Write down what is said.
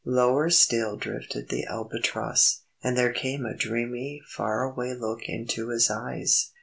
Lower still drifted the Albatross, and there came a dreamy far away look into his eyes.